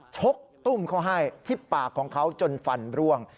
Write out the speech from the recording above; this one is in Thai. ชกตุ้มเขาให้ที่ปากของเขาจนฟันร่วง